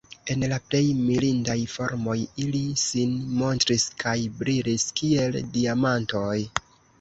En la plej mirindaj formoj ili sin montris kaj brilis kiel diamantoj.